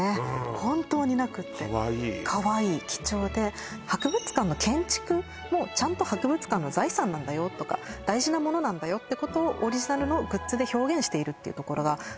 本当になくってかわいいかわいい貴重で博物館の建築もちゃんと博物館の財産なんだよとか大事なものなんだよってことをオリジナルのグッズで表現しているっていうところが私